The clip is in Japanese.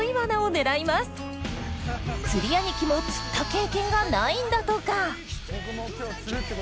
釣り兄貴も釣った経験がないんだとか。